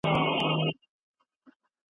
که حضوري ټولګي وي، نو د وخت پابندي زیاته وي.